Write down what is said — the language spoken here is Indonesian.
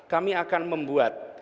kami akan membuat